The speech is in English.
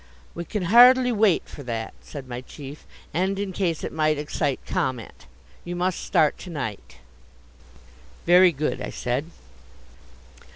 "We can hardly wait for that," said my chief, "and in case it might excite comment. You must start to night!" "Very good," I said.